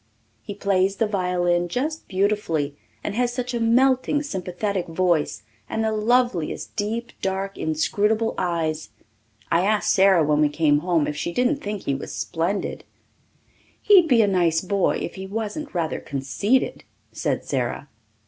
He plays the violin just beautifully and has such a melting, sympathetic voice and the loveliest deep, dark, inscrutable eyes. I asked Sara when we came home if she didn't think he was splendid. "He'd be a nice boy if he wasn't rather conceited," said Sara.